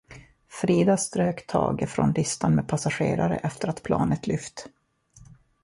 Frida strök Thage från listan med passagerare efter att planet lyft.